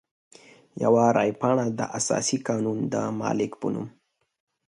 یوه رای پاڼه د اساسي قانون د مالک په نوم.